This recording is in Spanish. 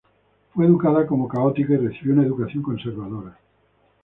Fue educada como católica y recibió una educación conservadora.